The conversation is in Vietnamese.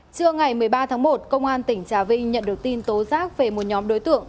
trưa ngày một mươi ba tháng một công an tỉnh trà vinh nhận được tin tố giác về một nhóm đối tượng